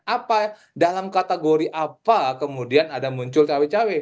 apa dalam kategori apa kemudian ada muncul cawe cawe